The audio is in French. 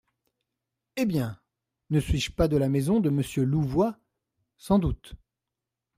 Eh bien ! ne suis-je pas de la maison de Monsieur de Louvois ? Sans doute.